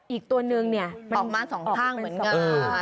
อีกตัวนึงเนี่ยออกมาสองข้างเหมือนกัน